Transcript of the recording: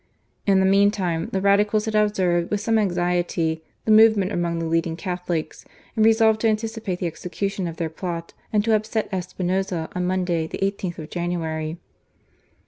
In the meantime the Radicals had observed with some anxiety the movement among the leading Catholics, and resolved to anticipate the execution of their plot, and to upset Espinoza on Monday the i8th of January.